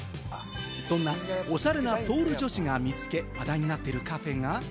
そんなオシャレなソウル女子が見つけ、話題になっているカフェが。